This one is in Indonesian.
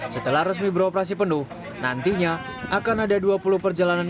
setelah resmi beroperasi penuh nantinya akan ada dua puluh perjalanan